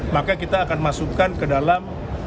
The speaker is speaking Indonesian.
maka kita akan masukkan ke dalam